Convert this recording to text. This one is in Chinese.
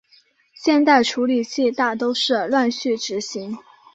现代处理器大都是乱序执行。